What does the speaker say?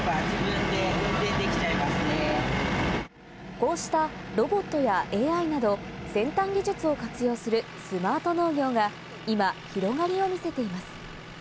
こうしたロボットやＡＩなど先端技術を活用するスマート農業が今、広がりを見せています。